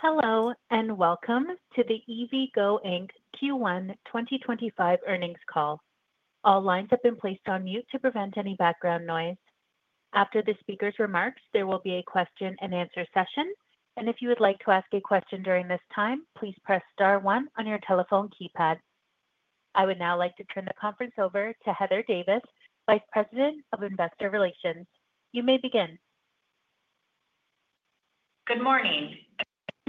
Hello, and welcome to the EVgo Inc Q1 2025 earnings call. All lines have been placed on mute to prevent any background noise. After the speaker's remarks, there will be a Q&A session, and if you would like to ask a question during this time, please press star one on your telephone keypad. I would now like to turn the conference over to Heather Davis, Vice President of Investor Relations. You may begin.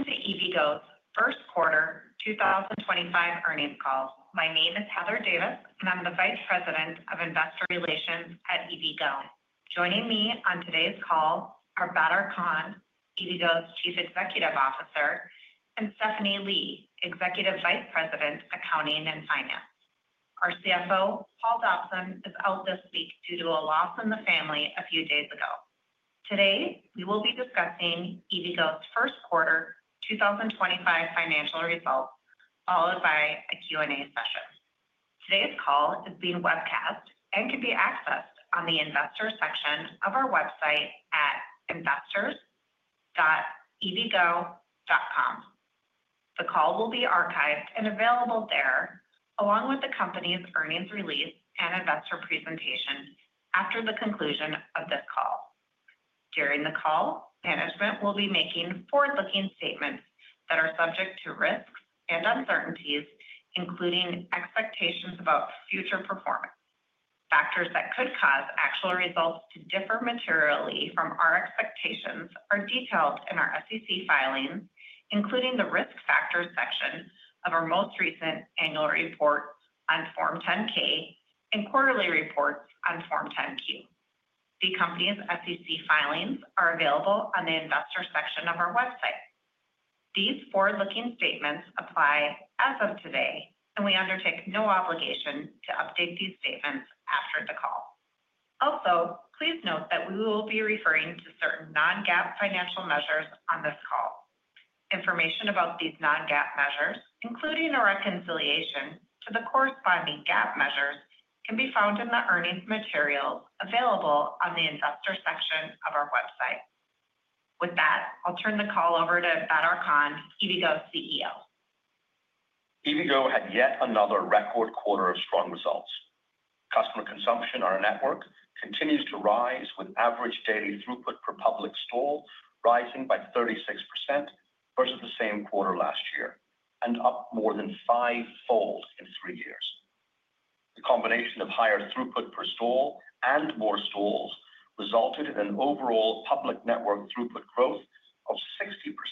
Good morning. This is the EVgo first quarter 2025 earnings call. My name is Heather Davis, and I'm the Vice President of Investor Relations at EVgo. Joining me on today's call are Badar Khan, EVgo's Chief Executive Officer, and Stephanie Lee, Executive Vice President, Accounting and Finance. Our CFO, Paul Dobson, is out this week due to a loss in the family a few days ago. Today, we will be discussing EVgo's first quarter 2025 financial results, followed by a Q&A session. Today's call is being webcast and can be accessed on the investor section of our website at investors.evgo.com. The call will be archived and available there, along with the company's earnings release and investor presentation after the conclusion of this call. During the call, management will be making forward-looking statements that are subject to risks and uncertainties, including expectations about future performance. Factors that could cause actual results to differ materially from our expectations are detailed in our SEC filings, including the risk factors section of our most recent annual report on Form 10-K and quarterly reports on Form 10-Q. The company's SEC filings are available on the investor section of our website. These forward-looking statements apply as of today, and we undertake no obligation to update these statements after the call. Also, please note that we will be referring to certain non-GAAP financial measures on this call. Information about these non-GAAP measures, including a reconciliation to the corresponding GAAP measures, can be found in the earnings materials available on the investor section of our website. With that, I'll turn the call over to Badar Khan, EVgo's CEO. EVgo had yet another record quarter of strong results. Customer consumption on our network continues to rise, with average daily throughput per public stall rising by 36% versus the same quarter last year and up more than fivefold in three years. The combination of higher throughput per stall and more stalls resulted in an overall public network throughput growth of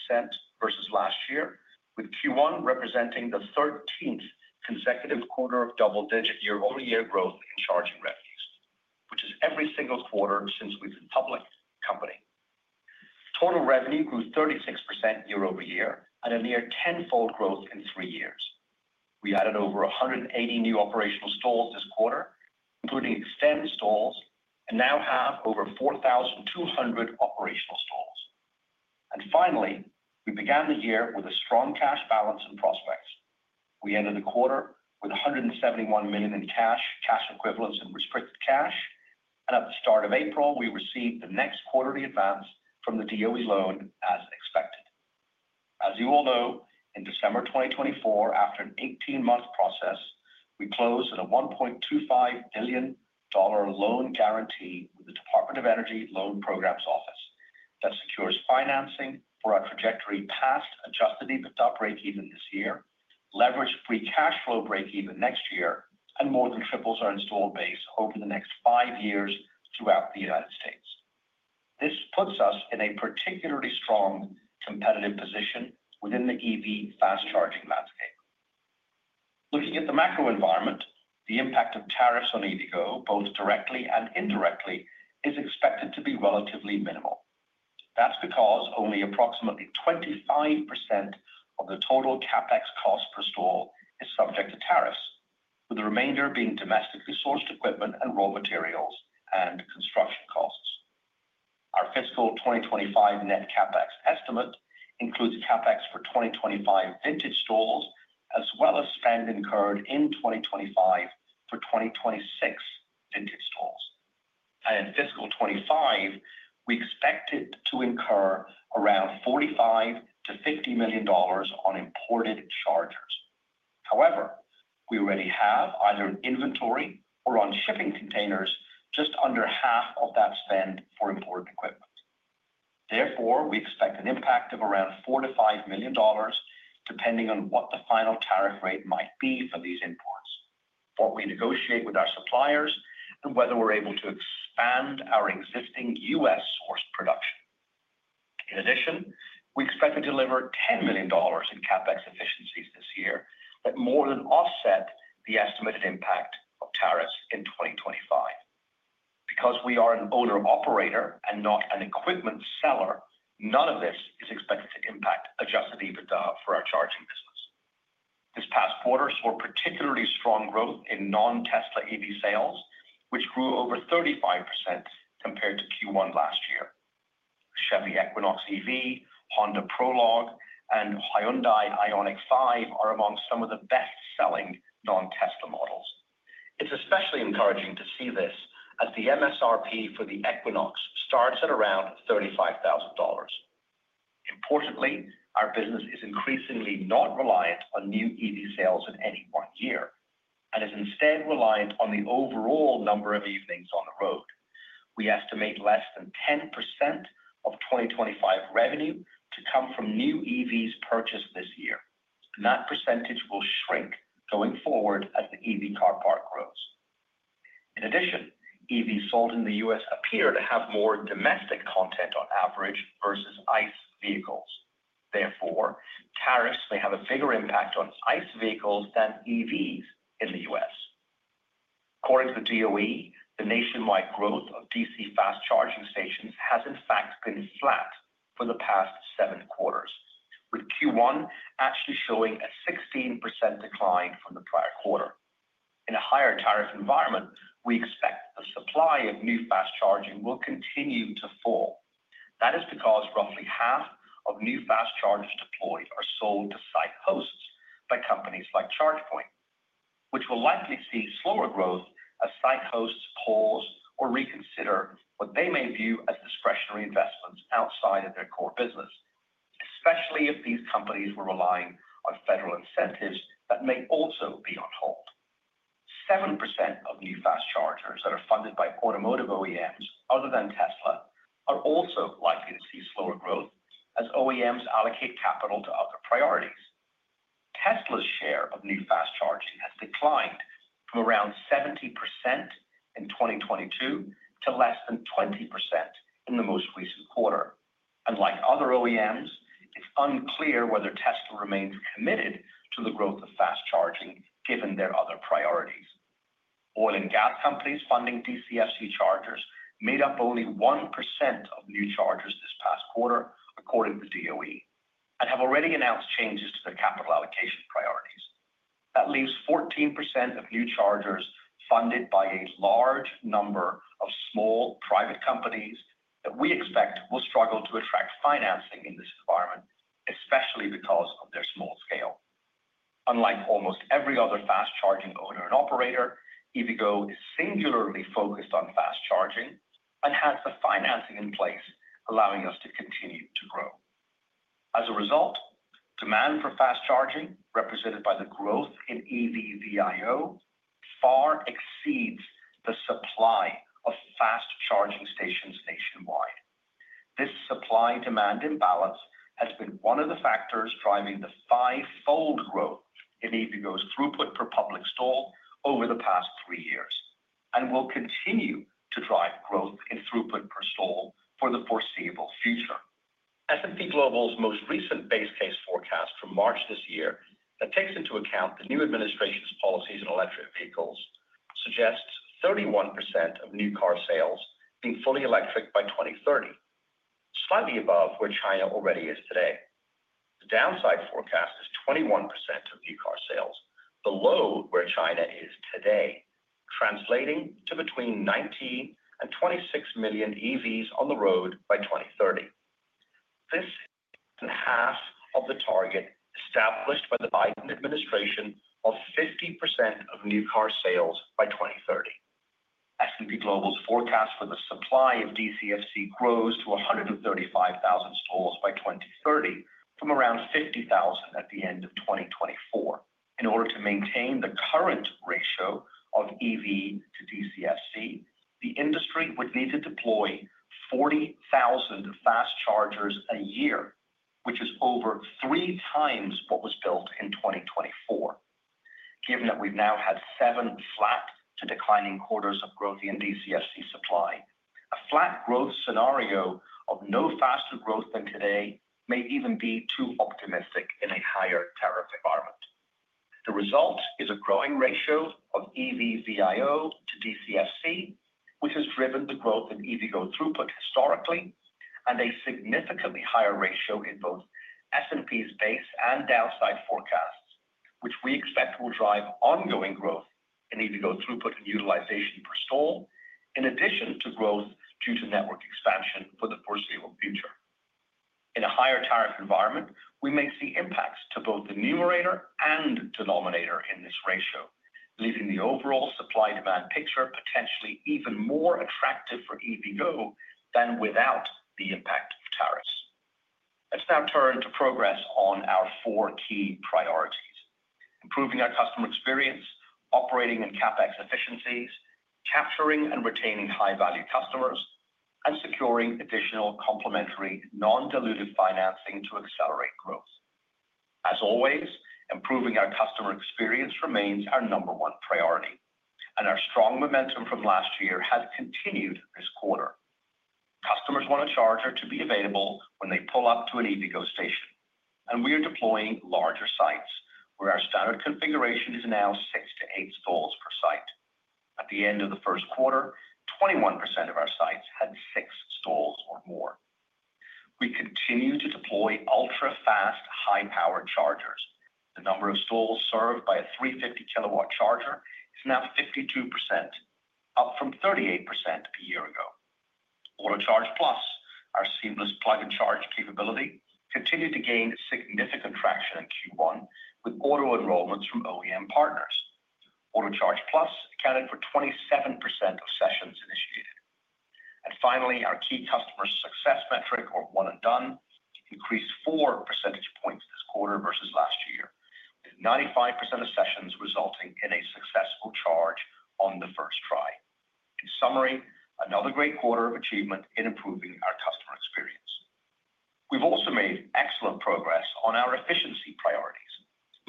60% versus last year, with Q1 representing the 13th consecutive quarter of double-digit year-over-year growth in charging revenues, which is every single quarter since we've been a public company. Total revenue grew 36% year-over-year at a near tenfold growth in three years. We added over 180 new operational stalls this quarter, including eXtend stalls, and now have over 4,200 operational stalls. Finally, we began the year with a strong cash balance and prospects. We ended the quarter with $171 million in cash, cash equivalents, and restricted cash. At the start of April, we received the next quarterly advance from the DOE loan, as expected. As you all know, in December 2024, after an 18-month process, we closed at a $1.25 billion loan guarantee with the Department of Energy Loan Programs Office that secures financing for our trajectory past adjusted EBITDA break-even this year, leveraged free cash flow break-even next year, and more than triples our installed base over the next five years throughout the U.S. This puts us in a particularly strong competitive position within the EV fast-charging landscape. Looking at the macro environment, the impact of tariffs on EVgo, both directly and indirectly, is expected to be relatively minimal. That's because only approximately 25% of the total CapEx cost per stall is subject to tariffs, with the remainder being domestically sourced equipment and raw materials and construction costs. Our fiscal 2025 net CapEx estimate includes CapEx for 2025 vintage stalls, as well as spend incurred in 2025 for 2026 vintage stalls. In fiscal 2025, we expect to incur around $45 million-$50 million on imported chargers. However, we already have either in inventory or on shipping containers just under half of that spend for imported equipment. Therefore, we expect an impact of around $4 million-$5 million, depending on what the final tariff rate might be for these imports, what we negotiate with our suppliers, and whether we are able to expand our existing U.S.-sourced production. In addition, we expect to deliver $10 million in CapEx efficiencies this year that more than offset the estimated impact of tariffs in 2025. Because we are an owner-operator and not an equipment seller, none of this is expected to impact adjusted EBITDA for our charging business. This past quarter saw particularly strong growth in non-Tesla EV sales, which grew over 35% compared to Q1 last year. Chevy Equinox EV, Honda Prologue, and Hyundai Ioniq 5 are among some of the best-selling non-Tesla models. It's especially encouraging to see this as the MSRP for the Equinox starts at around $35,000. Importantly, our business is increasingly not reliant on new EV sales in any one year and is instead reliant on the overall number of EVs on the road. We estimate less than 10% of 2025 revenue to come from new EVs purchased this year, and that percentage will shrink going forward as the EV car park grows. In addition, EVs sold in the U.S. appear to have more domestic content on average versus ICE vehicles. Therefore, tariffs may have a bigger impact on ICE vehicles than EVs in the U.S. According to the DOE, the nationwide growth of DC fast charging stations has, in fact, been flat for the past seven quarters, with Q1 actually showing a 16% decline from the prior quarter. In a higher tariff environment, we expect the supply of new fast charging will continue to fall. That is because roughly half of new fast chargers deployed are sold to site hosts by companies like ChargePoint, which will likely see slower growth as site hosts pause or reconsider what they may view as discretionary investments outside of their core business, especially if these companies were relying on federal incentives that may also be on hold. 7% of new fast chargers that are funded by automotive OEMs other than Tesla are also likely to see slower growth as OEMs allocate capital to other priorities. Tesla's share of new fast charging has declined from around 70% in 2022 to less than 20% in the most recent quarter. Unlike other OEMs, it's unclear whether Tesla remains committed to the growth of fast charging given their other priorities. Oil and gas companies funding DCFC chargers made up only 1% of new chargers this past quarter, according to the DOE, and have already announced changes to their capital allocation priorities. That leaves 14% of new chargers funded by a large number of small private companies that we expect will struggle to attract financing in this environment, especially because of their small scale. Unlike almost every other fast charging owner and operator, EVgo is singularly focused on fast charging and has the financing in place, allowing us to continue to grow. As a result, demand for fast charging, represented by the growth in EV VIO, far exceeds the supply of fast charging stations nationwide. This supply-demand imbalance has been one of the factors driving the fivefold growth in EVgo's throughput per public stall over the past three years and will continue to drive growth in throughput per stall for the foreseeable future. S&P Global's most recent base case forecast for March this year that takes into account the new administration's policies on electric vehicles suggests 31% of new car sales being fully electric by 2030, slightly above where China already is today. The downside forecast is 21% of new car sales, below where China is today, translating to between 19 and 26 million EVs on the road by 2030. This is half of the target established by the Biden administration of 50% of new car sales by 2030. S&P Global's forecast for the supply of DCFC grows to 135,000 stalls by 2030, from around 50,000 at the end of 2024. In order to maintain the current ratio of EV to DCFC, the industry would need to deploy 40,000 fast chargers a year, which is over three times what was built in 2024. Given that we've now had seven flat to declining quarters of growth in DCFC supply, a flat growth scenario of no faster growth than today may even be too optimistic in a higher tariff environment. The result is a growing ratio of EV VIO to DCFC, which has driven the growth in EVgo throughput historically, and a significantly higher ratio in both S&P's base and downside forecasts, which we expect will drive ongoing growth in EVgo throughput and utilization per stall, in addition to growth due to network expansion for the foreseeable future. In a higher tariff environment, we may see impacts to both the numerator and denominator in this ratio, leaving the overall supply-demand picture potentially even more attractive for EVgo than without the impact of tariffs. Let's now turn to progress on our four key priorities: improving our customer experience, operating in CapEx efficiencies, capturing and retaining high-value customers, and securing additional complementary non-dilutive financing to accelerate growth. As always, improving our customer experience remains our number one priority, and our strong momentum from last year has continued this quarter. Customers want a charger to be available when they pull up to an EVgo station, and we are deploying larger sites where our standard configuration is now six to eight stalls per site. At the end of the first quarter, 21% of our sites had six stalls or more. We continue to deploy ultra-fast, high-power chargers. The number of stalls served by a 350 kW charger is now 52%, up from 38% a year ago. AutoCharge Plus, our seamless plug-and-charge capability, continued to gain significant traction in Q1 with auto enrollments from OEM partners. AutoCharge Plus accounted for 27% of sessions initiated. Our key customer success metric, or one-and-done, increased four percentage points this quarter versus last year, with 95% of sessions resulting in a successful charge on the first try. In summary, another great quarter of achievement in improving our customer experience. We have also made excellent progress on our efficiency priorities.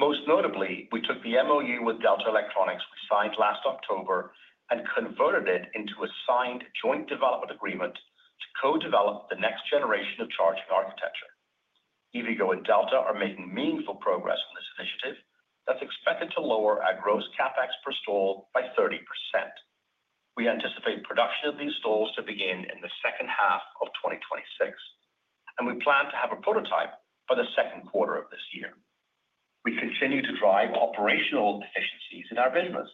Most notably, we took the MoU with Delta Electronics we signed last October and converted it into a signed joint development agreement to co-develop the next generation of charging architecture. EVgo and Delta are making meaningful progress on this initiative that is expected to lower our gross CapEx per stall by 30%. We anticipate production of these stalls to begin in the second half of 2026, and we plan to have a prototype by the second quarter of this year. We continue to drive operational efficiencies in our business,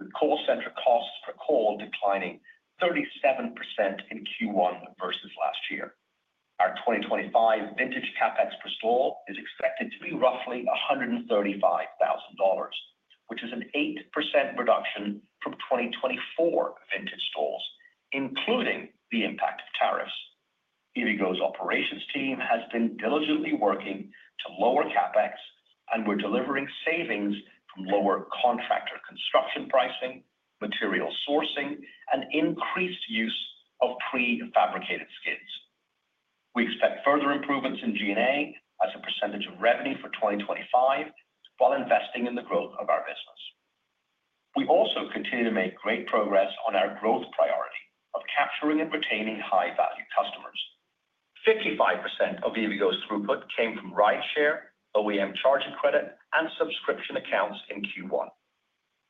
with call center costs per call declining 37% in Q1 versus last year. Our 2025 vintage CapEx per stall is expected to be roughly $135,000, which is an 8% reduction from 2024 vintage stalls, including the impact of tariffs. EVgo's operations team has been diligently working to lower CapEx, and we're delivering savings from lower contractor construction pricing, material sourcing, and increased use of prefabricated skids. We expect further improvements in G&A as a percentage of revenue for 2025 while investing in the growth of our business. We also continue to make great progress on our growth priority of capturing and retaining high-value customers. 55% of EVgo's throughput came from rideshare OEM charging credit and subscription accounts in Q1.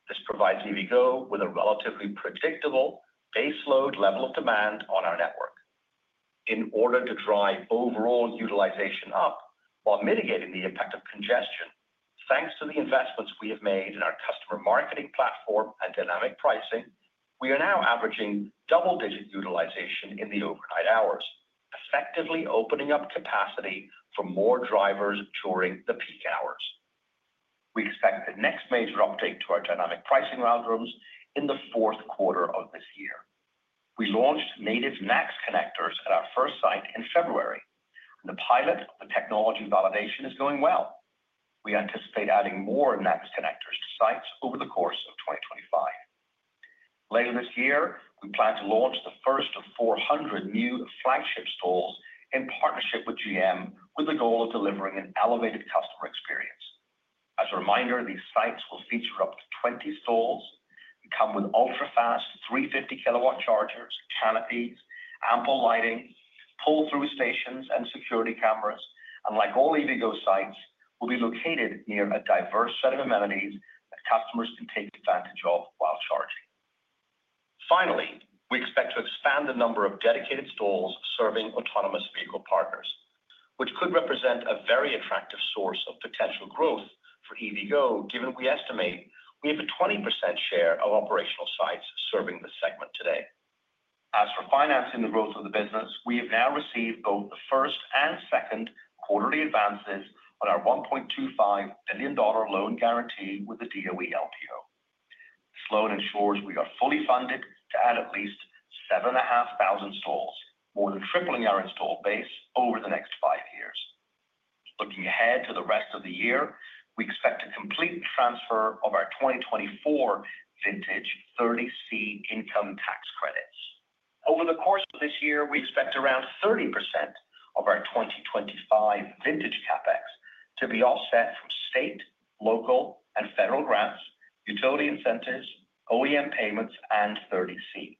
This provides EVgo with a relatively predictable baseload level of demand on our network. In order to drive overall utilization up while mitigating the impact of congestion, thanks to the investments we have made in our customer marketing platform and dynamic pricing, we are now averaging double-digit utilization in the overnight hours, effectively opening up capacity for more drivers during the peak hours. We expect the next major update to our dynamic pricing roadmaps in the fourth quarter of this year. We launched native NACS connectors at our first site in February, and the pilot of the technology validation is going well. We anticipate adding more NACS connectors to sites over the course of 2025. Later this year, we plan to launch the first of 400 new flagship stalls in partnership with GM, with the goal of delivering an elevated customer experience. As a reminder, these sites will feature up to 20 stalls and come with ultra-fast 350 kW chargers, canopies, ample lighting, pull-through stations, and security cameras. Like all EVgo sites, they will be located near a diverse set of amenities that customers can take advantage of while charging. Finally, we expect to expand the number of dedicated stalls serving autonomous vehicle partners, which could represent a very attractive source of potential growth for EVgo, given we estimate we have a 20% share of operational sites serving the segment today. As for financing the growth of the business, we have now received both the first and second quarterly advances on our $1.25 billion loan guarantee with the DOE LPO. This loan ensures we are fully funded to add at least 7,500 stalls, more than tripling our installed base over the next five years. Looking ahead to the rest of the year, we expect a complete transfer of our 2024 vintage 30C income tax credits. Over the course of this year, we expect around 30% of our 2025 vintage CapEx to be offset from state, local, and federal grants, utility incentives, OEM payments, and 30C.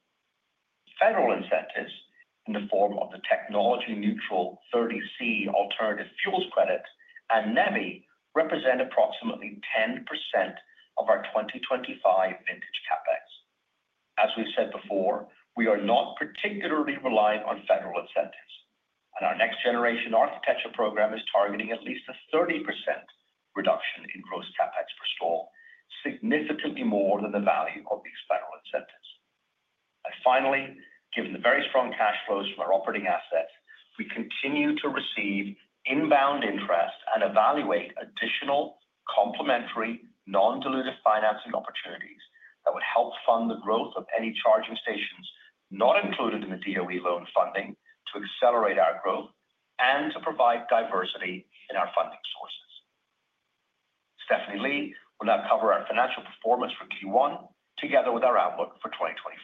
Federal incentives, in the form of the technology-neutral 30C alternative fuels credit and NEVI, represent approximately 10% of our 2025 vintage CapEx. As we've said before, we are not particularly reliant on federal incentives, and our next generation architecture program is targeting at least a 30% reduction in gross CapEx per stall, significantly more than the value of these federal incentives. Finally, given the very strong cash flows from our operating assets, we continue to receive inbound interest and evaluate additional complementary non-dilutive financing opportunities that would help fund the growth of any charging stations not included in the DOE loan funding to accelerate our growth and to provide diversity in our funding sources. Stephanie Lee will now cover our financial performance for Q1 together with our outlook for 2025.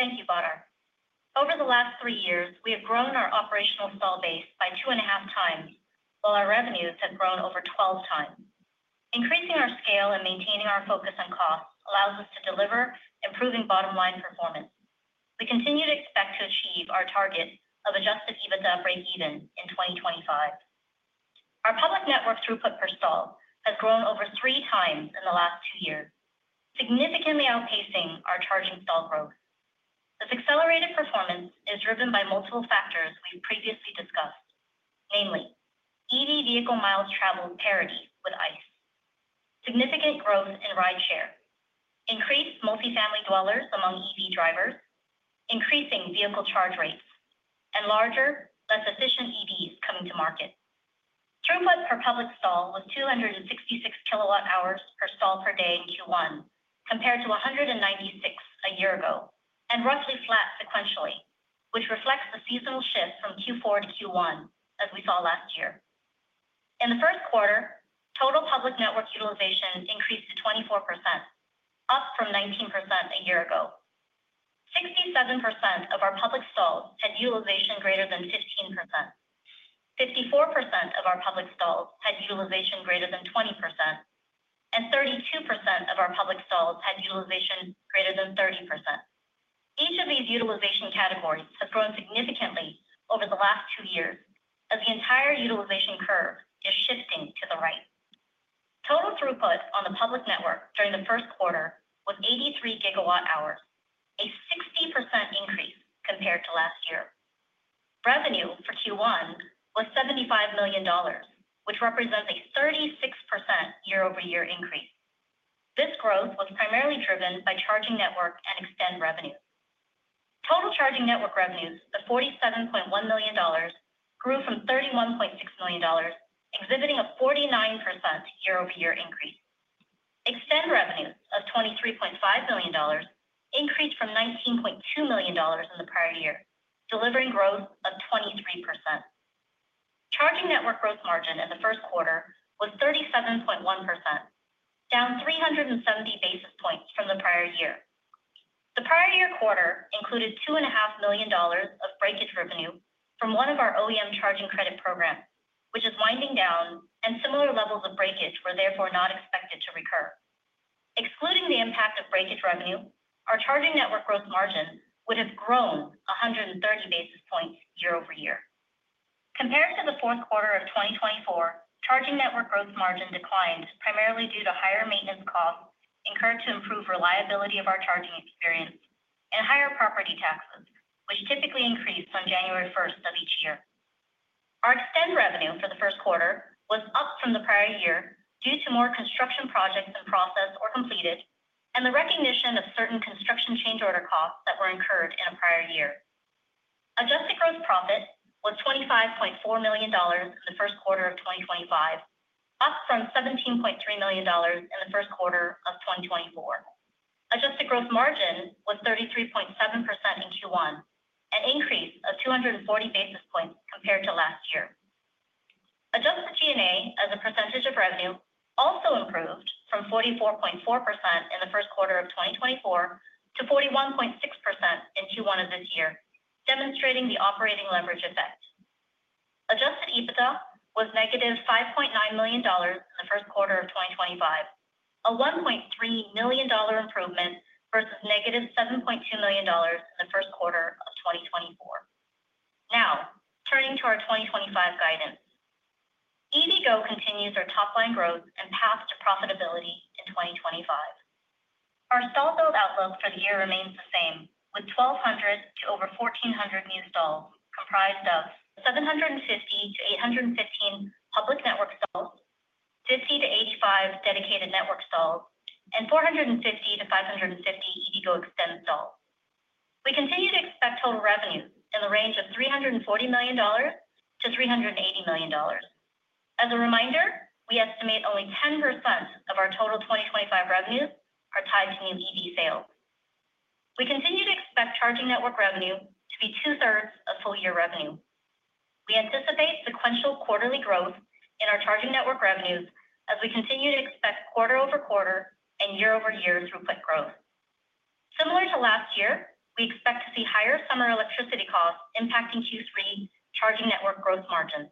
Thank you, Badar. Over the last three years, we have grown our operational stall base by two and a half times, while our revenues have grown over 12 times. Increasing our scale and maintaining our focus on costs allows us to deliver, improving bottom-line performance. We continue to expect to achieve our target of adjusted EBITDA break-even in 2025. Our public network throughput per stall has grown over three times in the last two years, significantly outpacing our charging stall growth. This accelerated performance is driven by multiple factors we've previously discussed, namely EV vehicle miles traveled parity with ICE, significant growth in rideshare, increased multifamily dwellers among EV drivers, increasing vehicle charge rates, and larger, less efficient EVs coming to market. Throughput per public stall was 266 kWh per stall per day in Q1, compared to 196 a year ago, and roughly flat sequentially, which reflects the seasonal shift from Q4 to Q1, as we saw last year. In the first quarter, total public network utilization increased to 24%, up from 19% a year ago. 67% of our public stalls had utilization greater than 15%, 54% of our public stalls had utilization greater than 20%, and 32% of our public stalls had utilization greater than 30%. Each of these utilization categories has grown significantly over the last two years, as the entire utilization curve is shifting to the right. Total throughput on the public network during the first quarter was 83 GWh, a 60% increase compared to last year. Revenue for Q1 was $75 million, which represents a 36% year-over-year increase. This growth was primarily driven by charging network and extend revenues. Total charging network revenues of $47.1 million grew from $31.6 million, exhibiting a 49% year-over-year increase. Extend revenues of $23.5 million increased from $19.2 million in the prior year, delivering growth of 23%. Charging network growth margin in the first quarter was 37.1%, down 370 basis points from the prior year. The prior year quarter included $2.5 million of breakage revenue from one of our OEM charging credit programs, which is winding down, and similar levels of breakage were therefore not expected to recur. Excluding the impact of breakage revenue, our charging network growth margin would have grown 130 basis points year-over-year. Compared to the fourth quarter of 2024, charging network growth margin declined primarily due to higher maintenance costs incurred to improve reliability of our charging experience and higher property taxes, which typically increased on January 1 of each year. Our eXtend revenue for the first quarter was up from the prior year due to more construction projects in process or completed and the recognition of certain construction change order costs that were incurred in a prior year. Adjusted gross profit was $25.4 million in the first quarter of 2025, up from $17.3 million in the first quarter of 2024. Adjusted gross margin was 33.7% in Q1, an increase of 240 basis points compared to last year. Adjusted G&A as a percentage of revenue also improved from 44.4% in the first quarter of 2024 to 41.6% in Q1 of this year, demonstrating the operating leverage effect. Adjusted EBITDA was negative $5.9 million in the first quarter of 2025, a $1.3 million improvement versus negative $7.2 million in the first quarter of 2024. Now, turning to our 2025 guidance, EVgo continues our top-line growth and path to profitability in 2025. Our stall build outlook for the year remains the same, with 1,200-1,400 new stalls comprised of 750-815 public network stalls, 50-85 dedicated network stalls, and 450-550 EVgo extend stalls. We continue to expect total revenues in the range of $340 million-$380 million. As a reminder, we estimate only 10% of our total 2025 revenues are tied to new EV sales. We continue to expect charging network revenue to be two-thirds of full-year revenue. We anticipate sequential quarterly growth in our charging network revenues as we continue to expect quarter-over-quarter and year-over-year throughput growth. Similar to last year, we expect to see higher summer electricity costs impacting Q3 charging network growth margins.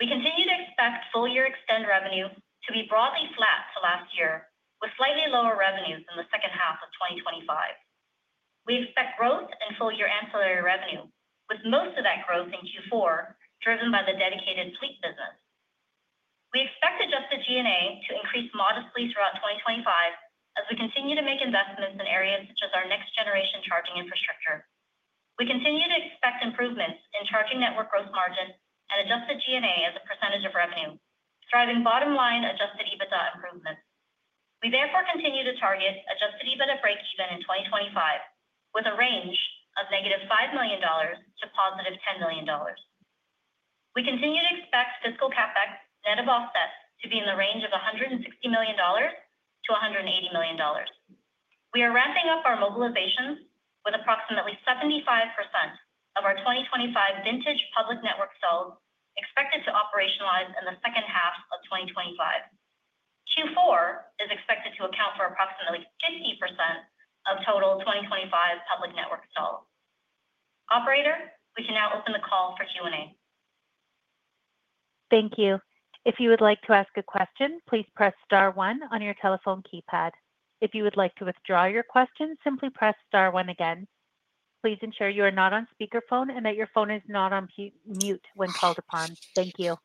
We continue to expect full-year eXtend revenue to be broadly flat to last year, with slightly lower revenues in the second half of 2025. We expect growth in full-year ancillary revenue, with most of that growth in Q4 driven by the dedicated fleet business. We expect adjusted G&A to increase modestly throughout 2025 as we continue to make investments in areas such as our next-generation charging infrastructure. We continue to expect improvements in charging network growth margin and adjusted G&A as a percentage of revenue, driving bottom-line adjusted EBITDA improvements. We therefore continue to target adjusted EBITDA break-even in 2025, with a range of negative $5 million to positive $10 million. We continue to expect fiscal CapEx net of offsets to be in the range of $160 million-$180 million. We are ramping up our mobilization with approximately 75% of our 2025 vintage public network stalls expected to operationalize in the second half of 2025. Q4 is expected to account for approximately 50% of total 2025 public network stalls. Operator, we can now open the call for Q&A. Thank you. If you would like to ask a question, please press star one on your telephone keypad. If you would like to withdraw your question, simply press star one again. Please ensure you are not on speakerphone and that your phone is not on mute when called upon. Thank you.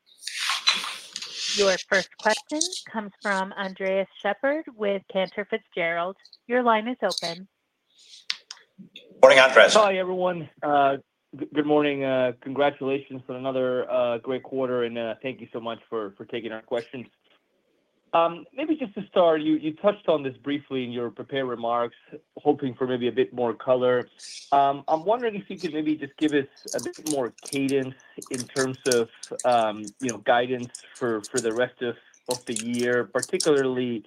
Your first question comes from Andres Sheppard with Cantor Fitzgerald. Your line is open. Morning, Andres. Hi, everyone. Good morning. Congratulations on another great quarter, and thank you so much for taking our questions. Maybe just to start, you touched on this briefly in your prepared remarks, hoping for maybe a bit more color. I'm wondering if you could maybe just give us a bit more cadence in terms of guidance for the rest of the year, particularly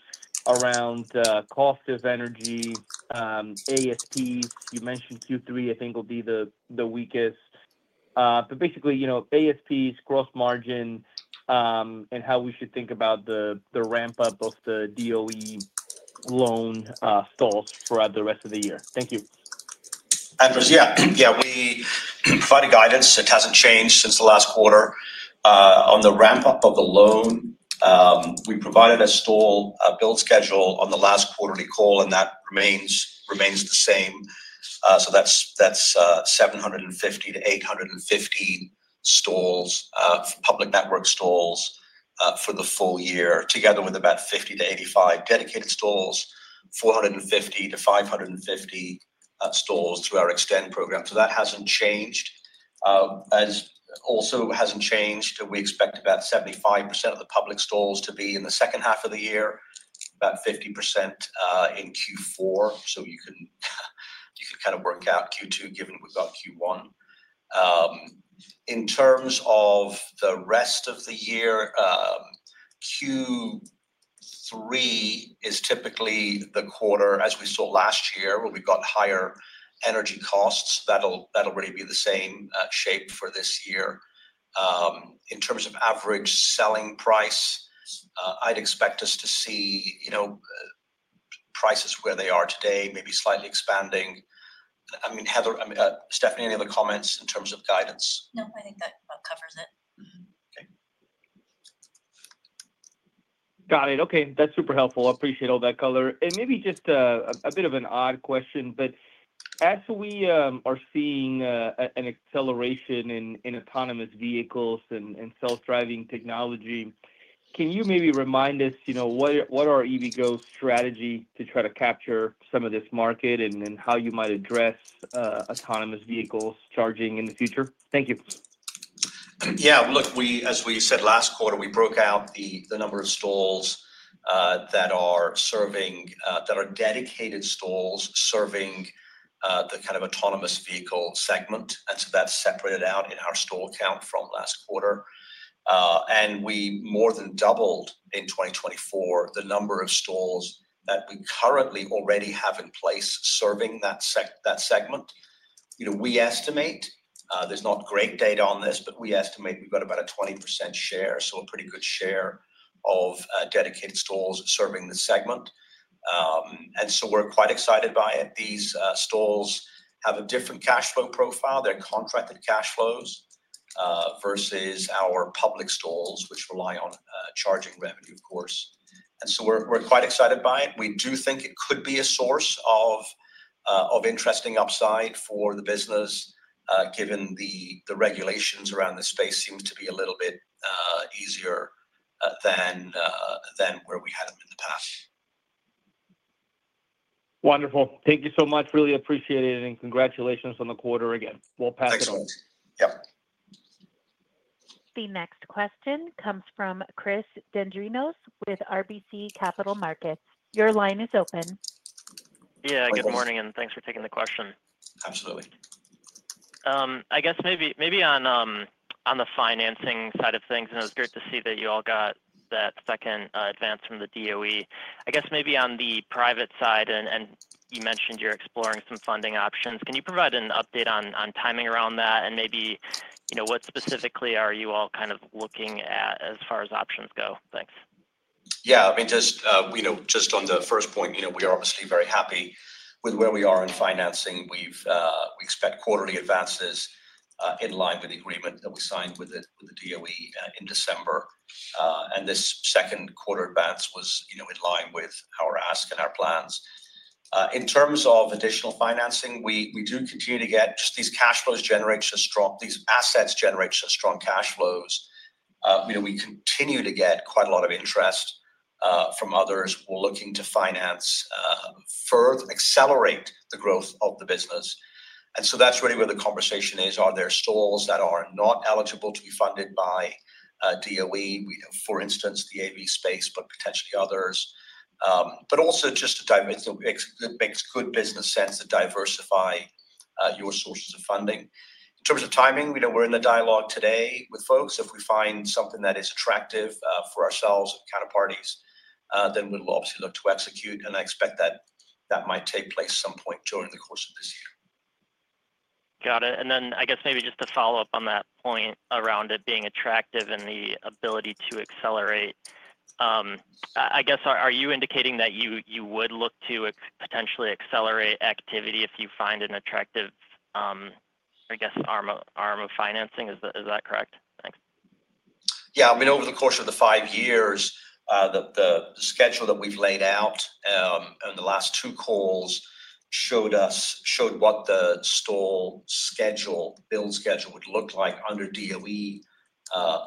around cost of energy, ASPs. You mentioned Q3, I think, will be the weakest. Basically, ASPs, gross margin, and how we should think about the ramp-up of the DOE loan stalls throughout the rest of the year. Thank you. Andres, yeah. Yeah, we provided guidance. It hasn't changed since the last quarter. On the ramp-up of the loan, we provided a stall build schedule on the last quarterly call, and that remains the same. That's 750-850 public network stalls for the full year, together with about 50-85 dedicated stalls, 450-550 stalls through our eXtend program. That hasn't changed. Also hasn't changed, we expect about 75% of the public stalls to be in the second half of the year, about 50% in Q4. You can kind of work out Q2, given we've got Q1. In terms of the rest of the year, Q3 is typically the quarter, as we saw last year, where we've got higher energy costs. That'll really be the same shape for this year. In terms of average selling price, I'd expect us to see prices where they are today, maybe slightly expanding. I mean, Heather, Stephanie, any other comments in terms of guidance? No, I think that covers it. Okay. Got it. Okay. That's super helpful. I appreciate all that color. Maybe just a bit of an odd question, but as we are seeing an acceleration in autonomous vehicles and self-driving technology, can you maybe remind us what our EVgo strategy is to try to capture some of this market and how you might address autonomous vehicles charging in the future? Thank you. Yeah. Look, as we said last quarter, we broke out the number of stalls that are dedicated stalls serving the kind of autonomous vehicle segment. That is separated out in our stall count from last quarter. We more than doubled in 2024 the number of stalls that we currently already have in place serving that segment. We estimate there is not great data on this, but we estimate we have got about a 20% share, so a pretty good share of dedicated stalls serving the segment. We are quite excited by it. These stalls have a different cash flow profile. They're contracted cash flows versus our public stalls, which rely on charging revenue, of course. We're quite excited by it. We do think it could be a source of interesting upside for the business, given the regulations around the space seems to be a little bit easier than where we had them in the past. Wonderful. Thank you so much. Really appreciate it. Congratulations on the quarter again. We'll pass it on. Thanks. The next question comes from Chris Dendrinos with RBC Capital Markets. Your line is open. Yeah. Good morning, and thanks for taking the question. Absolutely. I guess maybe on the financing side of things, and it was great to see that you all got that second advance from the DOE. I guess maybe on the private side, and you mentioned you're exploring some funding options. Can you provide an update on timing around that, and maybe what specifically are you all kind of looking at as far as options go? Thanks. Yeah. I mean, just on the first point, we are obviously very happy with where we are in financing. We expect quarterly advances in line with the agreement that we signed with the DOE in December. This second quarter advance was in line with our ask and our plans. In terms of additional financing, we do continue to get just these assets generate strong cash flows. We continue to get quite a lot of interest from others who are looking to finance further, accelerate the growth of the business. That is really where the conversation is. Are there stalls that are not eligible to be funded by DOE, for instance, the AV space, but potentially others? It also just makes good business sense to diversify your sources of funding. In terms of timing, we are in the dialogue today with folks. If we find something that is attractive for ourselves and counterparties, then we will obviously look to execute. I expect that might take place at some point during the course of this year. Got it. I guess maybe just to follow up on that point around it being attractive and the ability to accelerate, are you indicating that you would look to potentially accelerate activity if you find an attractive arm of financing? Is that correct? Thanks. Yeah. I mean, over the course of the five years, the schedule that we've laid out in the last two calls showed what the stall schedule, build schedule would look like under DOE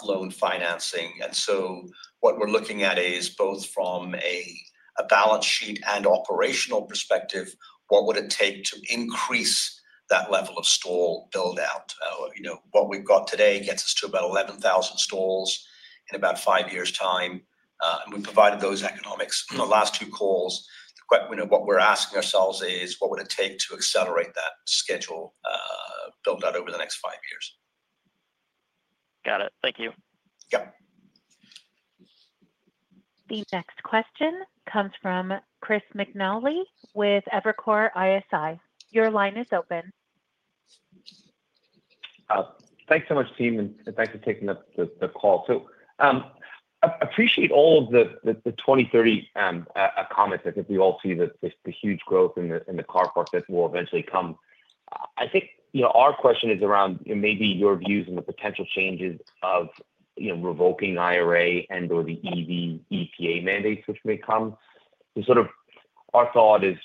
loan financing. What we're looking at is both from a balance sheet and operational perspective, what would it take to increase that level of stall build-out? What we've got today gets us to about 11,000 stalls in about five years' time. We provided those economics in the last two calls. What we're asking ourselves is, what would it take to accelerate that schedule build-out over the next five years? Got it. Thank you. Yep. The next question comes from Chris McNally with Evercore ISI. Your line is open. Thanks so much, team, and thanks for taking the call. I appreciate all of the 2030 comments. I think we all see the huge growth in the car market will eventually come. I think our question is around maybe your views on the potential changes of revoking IRA and/or the EV EPA mandates which may come. Sort of our thought is,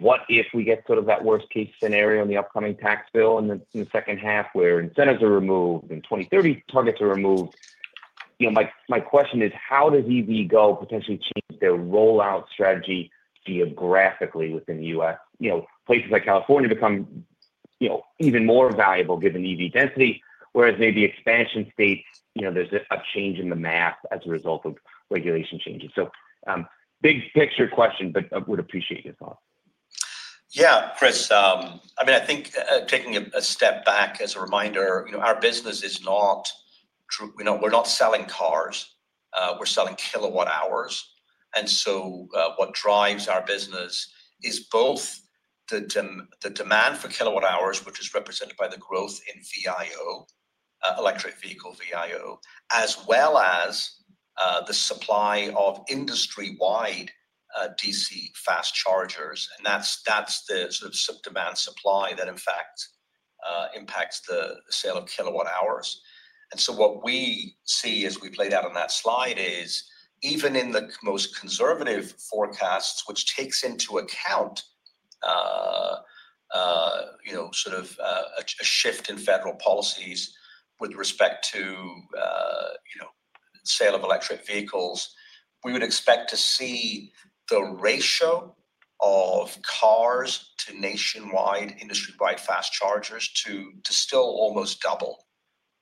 what if we get sort of that worst-case scenario in the upcoming tax bill in the second half where incentives are removed and 2030 targets are removed? My question is, how does EVgo potentially change their rollout strategy geographically within the U.S.? Places like California become even more valuable given EV density, whereas maybe expansion states, there's a change in the math as a result of regulation changes. Big picture question, but would appreciate your thoughts. Yeah, Chris. I mean, I think taking a step back as a reminder, our business is not we're not selling cars. We're selling kilowatt-hours. What drives our business is both the demand for kilowatt-hours, which is represented by the growth in VIO, electric vehicle VIO, as well as the supply of industry-wide DC fast chargers. That is the sort of demand-supply that, in fact, impacts the sale of kilowatt-hours. What we see as we play out on that slide is, even in the most conservative forecasts, which takes into account sort of a shift in federal policies with respect to sale of electric vehicles, we would expect to see the ratio of cars to nationwide industry-wide fast chargers to still almost double.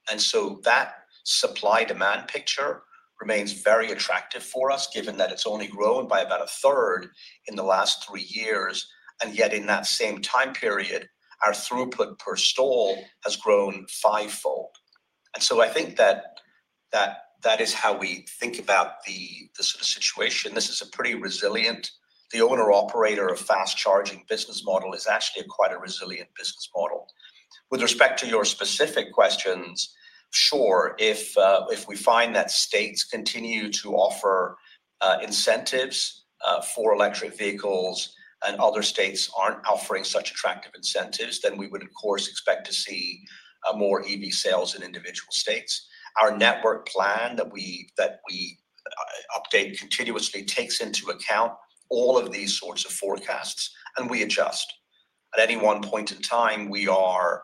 That supply-demand picture remains very attractive for us, given that it has only grown by about a third in the last three years. Yet in that same time period, our throughput per stall has grown fivefold. I think that that is how we think about the sort of situation. This is a pretty resilient, the owner-operator of fast charging business model is actually quite a resilient business model. With respect to your specific questions, sure, if we find that States continue to offer incentives for electric vehicles and other states are not offering such attractive incentives, then we would, of course, expect to see more EV sales in individual states. Our network plan that we update continuously takes into account all of these sorts of forecasts, and we adjust. At any one point in time, we are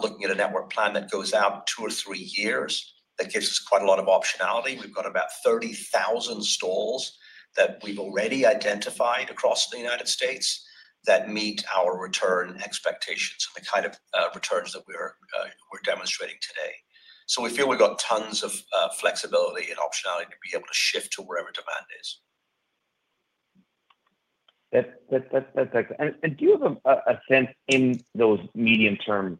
looking at a network plan that goes out two or three years that gives us quite a lot of optionality. We have got about 30,000 stalls that we have already identified across the U.S. that meet our return expectations and the kind of returns that we are demonstrating today. We feel we've got tons of flexibility and optionality to be able to shift to wherever demand is. That's excellent. Do you have a sense in those medium-term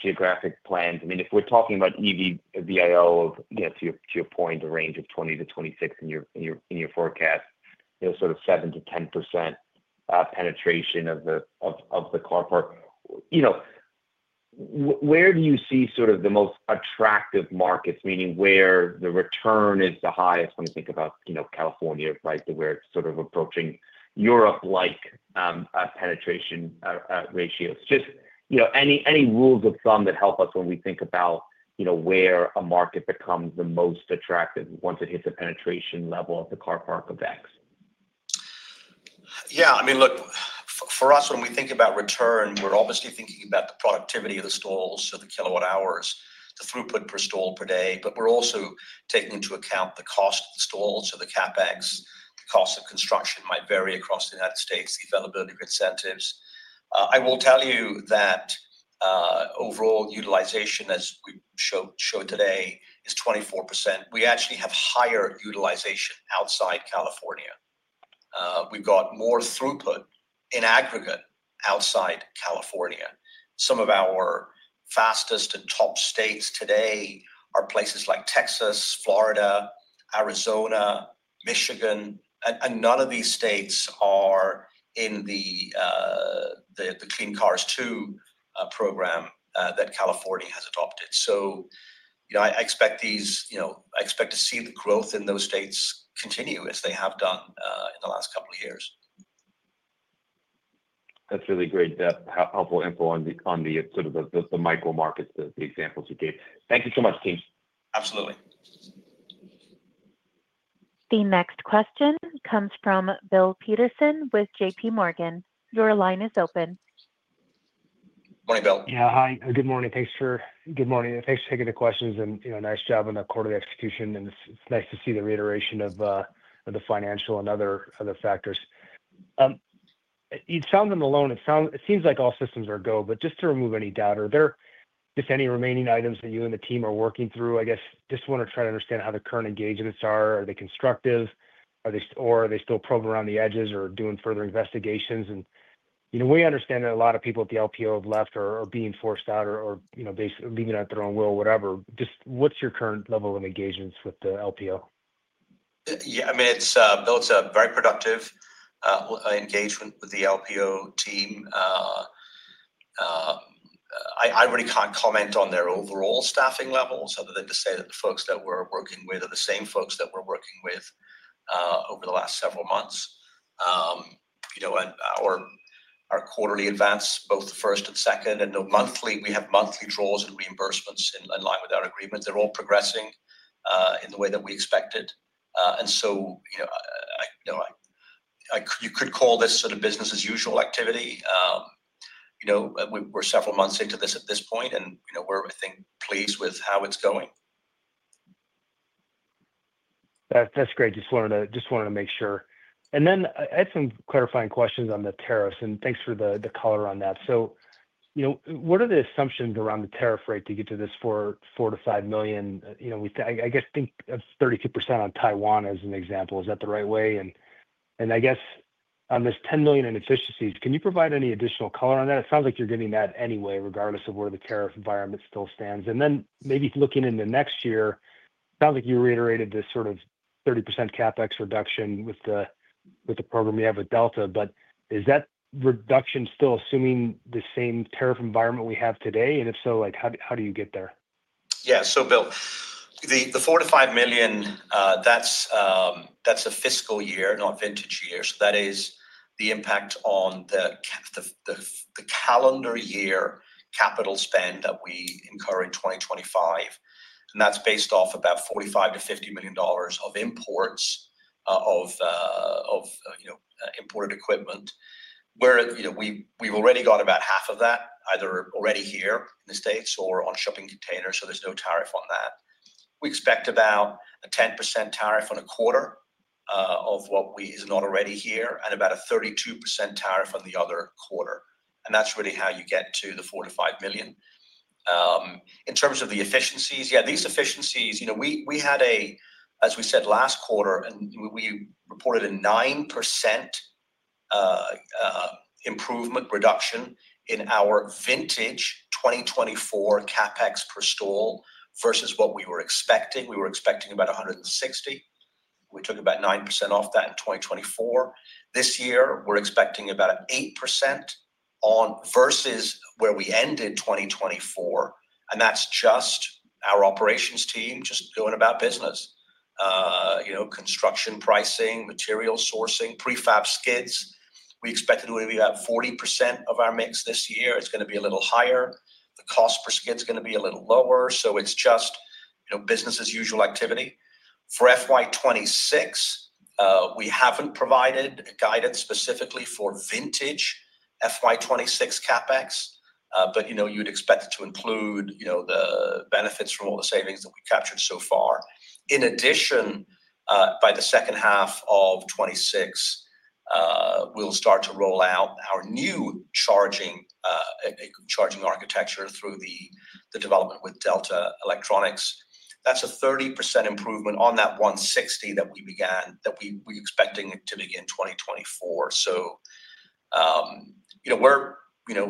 geographic plans? I mean, if we're talking about EV VIO, to your point, a range of 20-26 in your forecast, sort of 7-10% penetration of the car park, where do you see sort of the most attractive markets, meaning where the return is the highest? When you think about California, right, where it's sort of approaching Europe-like penetration ratios. Just any rules of thumb that help us when we think about where a market becomes the most attractive once it hits a penetration level of the car park of X. Yeah. I mean, look, for us, when we think about return, we're obviously thinking about the productivity of the stalls, so the kilowatt-hours, the throughput per stall per day. But we're also taking into account the cost of the stalls, so the CapEx, the cost of construction might vary across the U.S. the availability of incentives. I will tell you that overall utilization, as we show today, is 24%. We actually have higher utilization outside California. We've got more throughput in aggregate outside California. Some of our fastest and top states today are places like Texas, Florida, Arizona, Michigan. None of these states are in the Clean Cars II program that California has adopted. I expect to see the growth in those states continue as they have done in the last couple of years. That's really great, that helpful info on the sort of the micro markets, the examples you gave. Thank you so much, team. Absolutely. The next question comes from Bill Peterson with JPMorgan. Your line is open. Good morning, Bill. Yeah. Hi. Good morning. Thanks for good morning. Thanks for taking the questions and nice job on the quarterly execution. It's nice to see the reiteration of the financial and other factors. You sound on the loan. It seems like all systems are go, but just to remove any doubt, are there, if any, remaining items that you and the team are working through? I guess just want to try to understand how the current engagements are. Are they constructive? Or are they still probing around the edges or doing further investigations? We understand that a lot of people at the LPO have left or are being forced out or leaving at their own will, whatever. Just what's your current level of engagements with the LPO? Yeah. I mean, it's built a very productive engagement with the LPO team. I really can't comment on their overall staffing levels, other than to say that the folks that we're working with are the same folks that we're working with over the last several months. Our quarterly advance, both the first and second, and the monthly, we have monthly draws and reimbursements in line with our agreements. They're all progressing in the way that we expected. You could call this sort of business-as-usual activity. We're several months into this at this point, and we're, I think, pleased with how it's going. That's great. Just wanted to make sure. Then I had some clarifying questions on the tariffs, and thanks for the color on that. What are the assumptions around the tariff rate to get to this $4 million-$5 million? I guess think of 32% on Taiwan as an example. Is that the right way? I guess on this $10 million in efficiencies, can you provide any additional color on that? It sounds like you're getting that anyway, regardless of where the tariff environment still stands. Maybe looking into next year, it sounds like you reiterated this sort of 30% CapEx reduction with the program you have with Delta, but is that reduction still assuming the same tariff environment we have today? If so, how do you get there? Yeah. Bill, the $4 million-$5 million, that's a fiscal year, not vintage year. That is the impact on the calendar year capital spend that we incur in 2025. That is based off about $45 million-$50 million of imports of imported equipment, where we have already got about half of that either already here in the States or on shipping containers, so there is no tariff on that. We expect about a 10% tariff on a quarter of what is not already here and about a 32% tariff on the other quarter. That is really how you get to the $4 million-$5 million. In terms of the efficiencies, yeah, these efficiencies, we had a, as we said last quarter, and we reported a 9% improvement reduction in our vintage 2024 CapEx per stall versus what we were expecting. We were expecting about $160,000. We took about 9% off that in 2024. This year, we are expecting about 8% versus where we ended 2024. That is just our operations team just going about business: construction, pricing, material sourcing, prefab skids. We expected it would be about 40% of our mix this year. It is going to be a little higher. The cost per skid is going to be a little lower. It is just business-as-usual activity. For fiscal year 2026, we have not provided guidance specifically for vintage fiscal year 2026 CapEx, but you would expect it to include the benefits from all the savings that we have captured so far. In addition, by the second half of 2026, we will start to roll out our new charging architecture through the development with Delta Electronics. That is a 30% improvement on that 160 that we expected to begin 2024.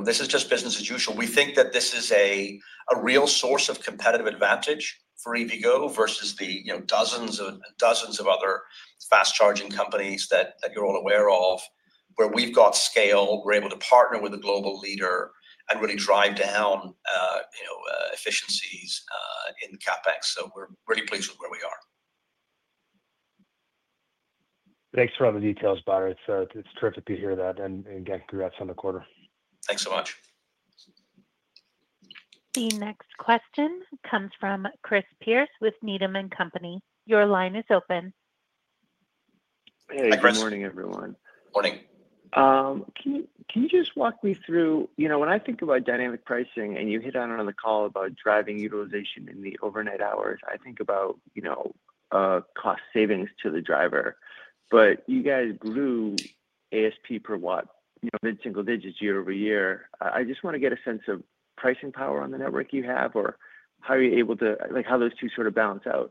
This is just business-as-usual. We think that this is a real source of competitive advantage for EVgo versus the dozens of other fast charging companies that you're all aware of, where we've got scale, we're able to partner with a global leader, and really drive down efficiencies in CapEx. So we're really pleased with where we are. Thanks for all the details, Badar. It's terrific to hear that and congrats on the quarter. Thanks so much. The next question comes from Chris Pierce with Needham & Company. Your line is open. Hey, Chris. Good morning, everyone. Morning. Can you just walk me through when I think about dynamic pricing and you hit on it on the call about driving utilization in the overnight hours, I think about cost savings to the driver. But you guys grew ASP per watt, mid-single digits year over year. I just want to get a sense of pricing power on the network you have, or how are you able to how those two sort of balance out?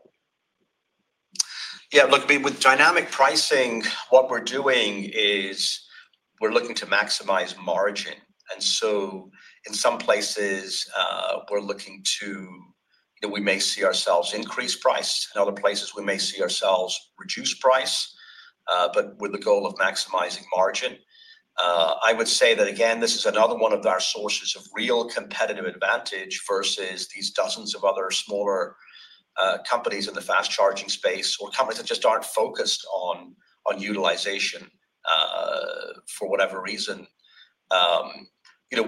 Yeah. Look, with dynamic pricing, what we're doing is we're looking to maximize margin. In some places, we may see ourselves increase price. In other places, we may see ourselves reduce price, but with the goal of maximizing margin. I would say that, again, this is another one of our sources of real competitive advantage versus these dozens of other smaller companies in the fast charging space or companies that just aren't focused on utilization for whatever reason.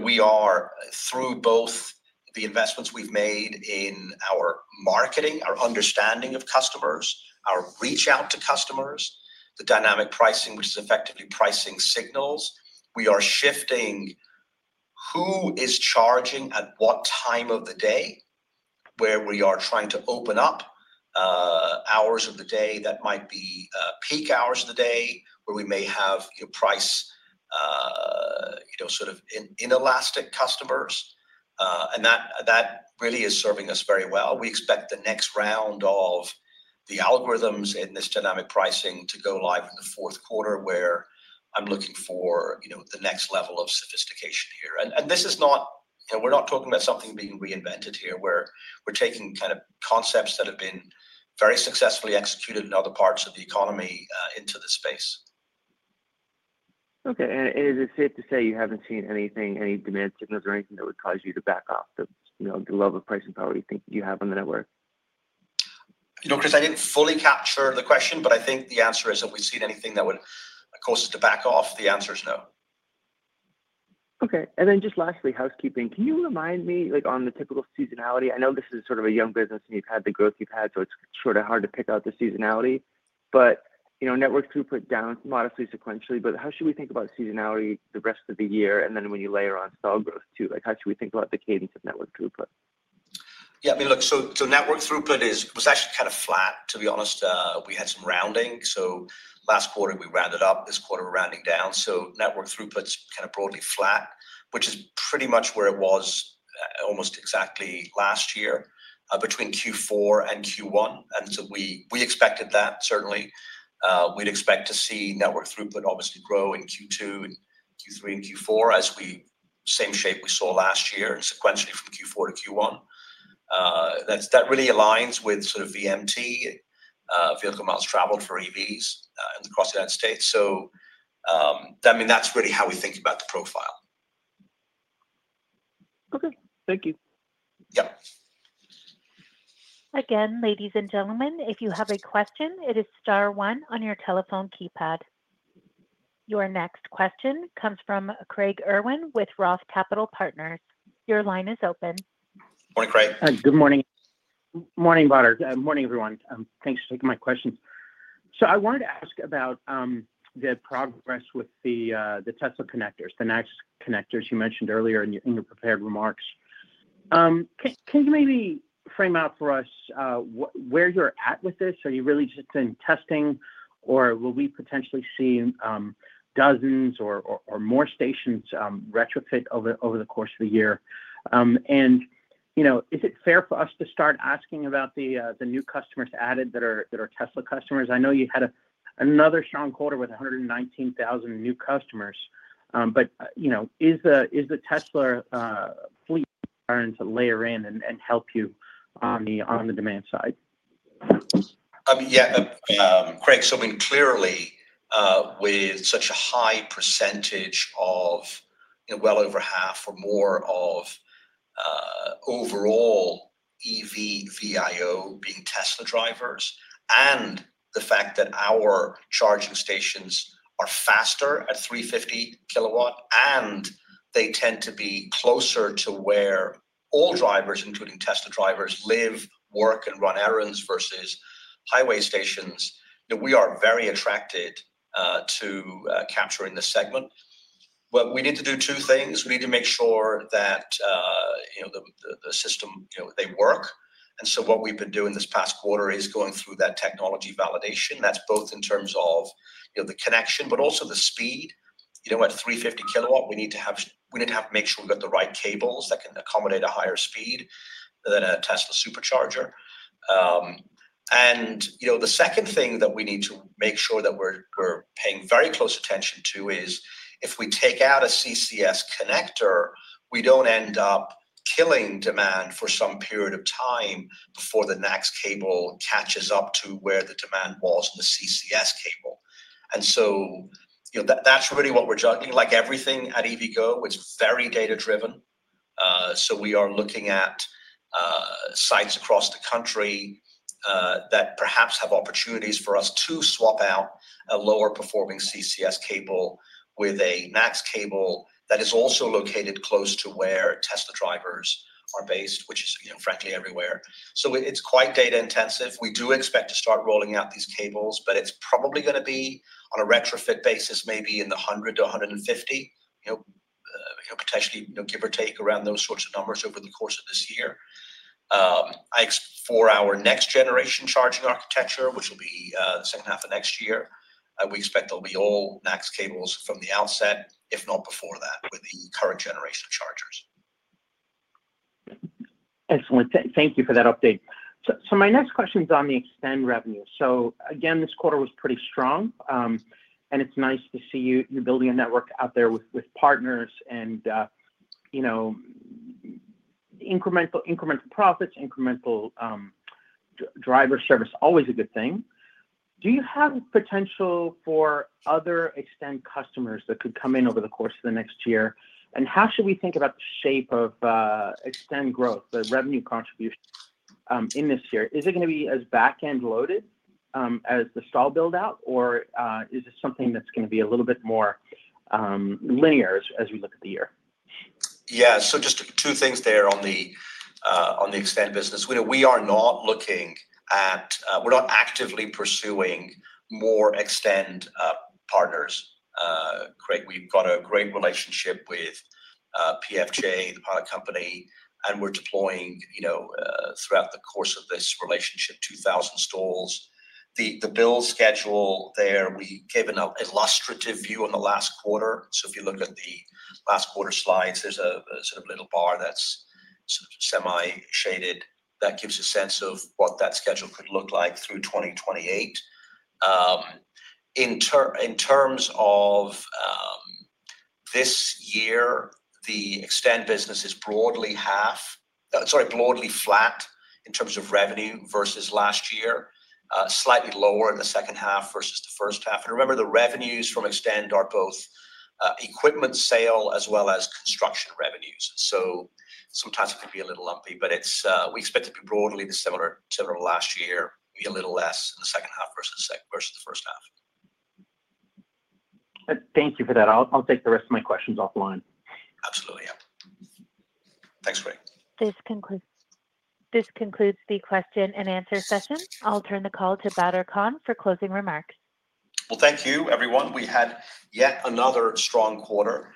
We are, through both the investments we have made in our marketing, our understanding of customers, our reach-out to customers, the dynamic pricing, which is effectively pricing signals, we are shifting who is charging at what time of the day, where we are trying to open up hours of the day that might be peak hours of the day, where we may have price sort of inelastic customers. That really is serving us very well. We expect the next round of the algorithms in this dynamic pricing to go live in the fourth quarter, where I am looking for the next level of sophistication here. This is not, we are not talking about something being reinvented here. We are taking kind of concepts that have been very successfully executed in other parts of the economy into the space. Okay. Is it safe to say you haven't seen anything, any demand signals or anything that would cause you to back off the level of pricing power you think you have on the network? Chris, I didn't fully capture the question, but I think the answer is if we've seen anything that would cause us to back off, the answer is no. Okay. Lastly, housekeeping, can you remind me on the typical seasonality? I know this is sort of a young business, and you've had the growth you've had, so it's sort of hard to pick out the seasonality, but network throughput down modestly sequentially. How should we think about seasonality the rest of the year? When you layer on stall growth too, how should we think about the cadence of network throughput? Yeah. I mean, look, network throughput was actually kind of flat, to be honest. We had some rounding. Last quarter, we rounded up. This quarter, we are rounding down. Network throughput is kind of broadly flat, which is pretty much where it was almost exactly last year between Q4 and Q1. We expected that, certainly. We would expect to see network throughput obviously grow in Q2 and Q3 and Q4, the same shape we saw last year and sequentially from Q4 to Q1. That really aligns with sort of VMT, vehicle miles traveled for EVs across the U.S. I mean, that is really how we think about the profile. Okay. Thank you. Again, ladies and gentlemen, if you have a question, it is star one on your telephone keypad. Your next question comes from Craig Irwin with Roth Capital Partner. Your line is open. Morning, Craig. Good morning. Morning, Badar. Morning, everyone. Thanks for taking my questions. I wanted to ask about the progress with the Tesla connectors, the NACS connectors you mentioned earlier in your prepared remarks. Can you maybe frame out for us where you're at with this? Are you really just in testing, or will we potentially see dozens or more stations retrofit over the course of the year? Is it fair for us to start asking about the new customers added that are Tesla customers? I know you had another strong quarter with 119,000 new customers, but is the Tesla fleet starting to layer in and help you on the demand side? Yeah. Craig, so I mean, clearly, with such a high percentage of well over half or more of overall EV VIO being Tesla drivers and the fact that our charging stations are faster at 350 kW and they tend to be closer to where all drivers, including Tesla drivers, live, work, and run errands versus highway stations, we are very attracted to capturing the segment. We need to do two things. We need to make sure that the system, they work. What we've been doing this past quarter is going through that technology validation. That's both in terms of the connection, but also the speed. At 350 kW, we need to make sure we've got the right cables that can accommodate a higher speed than a Tesla supercharger. The second thing that we need to make sure that we're paying very close attention to is if we take out a CCS connector, we do not end up killing demand for some period of time before the NACS cable catches up to where the demand was on the CCS cable. That is really what we're juggling. Like everything at EVgo, it is very data-driven. We are looking at sites across the country that perhaps have opportunities for us to swap out a lower-performing CCS cable with a NACS cable that is also located close to where Tesla drivers are based, which is, frankly, everywhere. It is quite data-intensive. We do expect to start rolling out these cables, but it is probably going to be on a retrofit basis, maybe in the 100-150, potentially, give or take around those sorts of numbers over the course of this year. For our next-generation charging architecture, which will be the second half of next year, we expect there'll be all NACS cables from the outset, if not before that, with the current generation of chargers. Excellent. Thank you for that update. My next question is on the eXtend revenue. Again, this quarter was pretty strong, and it's nice to see you building a network out there with partners and incremental profits, incremental driver service, always a good thing. Do you have potential for other eXtend customers that could come in over the course of the next year? How should we think about the shape of eXtend growth, the revenue contribution in this year? Is it going to be as back-end loaded as the stall buildout, or is this something that's going to be a little bit more linear as we look at the year? Yeah. Just two things there on the eXtend business. We are not looking at, we are not actively pursuing more eXtend partners. Craig, we have got a great relationship with PFJ, the Pilot Company, and we are deploying throughout the course of this relationship, 2,000 stalls. The build schedule there, we gave an illustrative view on the last quarter. If you look at the last quarter slides, there is a sort of little bar that is sort of semi-shaded that gives a sense of what that schedule could look like through 2028. In terms of this year, the eXtend business is broadly flat in terms of revenue versus last year, slightly lower in the second half versus the first half. Remember, the revenues from eXtend are both equipment sale as well as construction revenues. Sometimes it could be a little lumpy, but we expect to be broadly similar to last year, be a little less in the second half versus the first half. Thank you for that. I'll take the rest of my questions offline. Absolutely. Yeah. Thanks, Craig. This concludes the Q&A session. I'll turn the call to Badar Khan for closing remarks. Thank you, everyone. We had yet another strong quarter.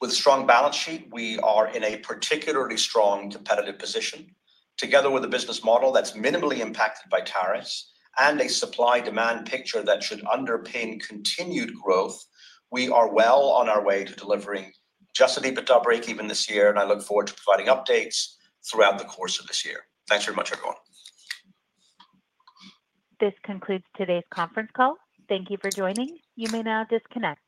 With a strong balance sheet, we are in a particularly strong competitive position. Together with a business model that's minimally impacted by tariffs and a supply-demand picture that should underpin continued growth, we are well on our way to delivering just EBITDA break even this year, and I look forward to providing updates throughout the course of this year. Thanks very much, everyone. This concludes today's conference call. Thank you for joining. You may now disconnect.